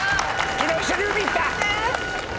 昨日一緒に海行った。